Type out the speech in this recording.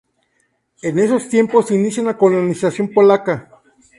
En esos tiempos se inicia una colonización polaca.